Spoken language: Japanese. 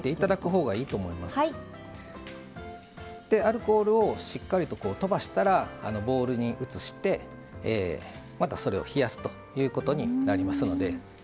アルコールをしっかりととばしたらボウルに移してまたそれを冷やすということになりますので。